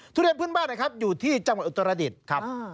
ทุเรียนพื้นบ้านนะครับอยู่ที่จังหวัดอุตรดิษฐ์ครับ